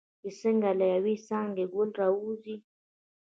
چې څنګه له یوې څانګې ګل راوځي.